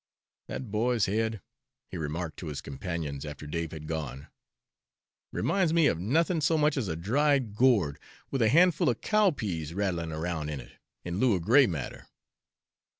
That boy's head," he remarked to his companions, after Dave had gone, "reminds me of nothing so much as a dried gourd, with a handful of cowpeas rattling around it, in lieu of gray matter.